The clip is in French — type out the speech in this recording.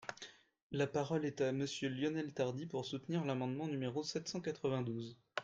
La parole est à Monsieur Lionel Tardy, pour soutenir l’amendement numéro sept cent quatre-vingt-douze.